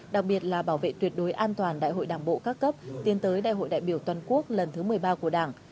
đặc biệt là bảo vệ tuyệt đối an toàn đại hội đảng bộ các cấp tiến tới đại hội đại biểu toàn quốc lần thứ một mươi ba của đảng